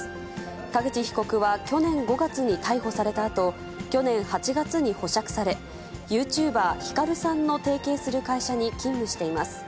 田口被告は去年５月に逮捕されたあと、去年８月に保釈され、ユーチューバー、ヒカルさんの提携する会社に勤務しています。